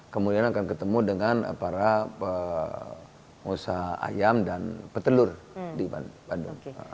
kemudian akan ketemu dengan para pengusaha ayam dan petelur di bandung